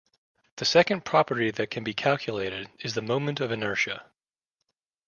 The second property that can be calculated is the moment of inertia.